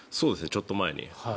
ちょっと前に。